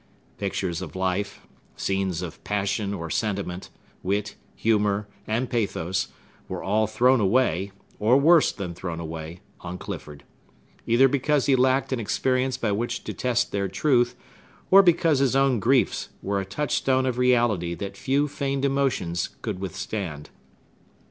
Pictures of life, scenes of passion or sentiment, wit, humor, and pathos, were all thrown away, or worse than thrown away, on Clifford; either because he lacked an experience by which to test their truth, or because his own griefs were a touch stone of reality that few feigned emotions could withstand.